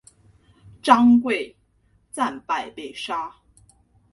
张贵战败被杀。